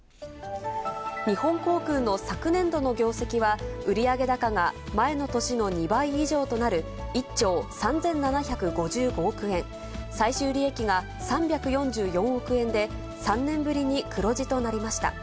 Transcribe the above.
日本航空の昨年度の業績は、売上高が前の年の２倍以上となる１兆３７５５億円、最終利益が３４４億円で、３年ぶりに黒字となりました。